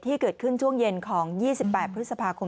ที่เกิดขึ้นช่วงเย็นของ๒๘พฤษภาคม